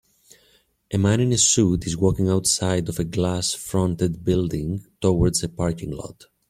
A man in a suit is walking outside of a glass fronted building towards a parking lot.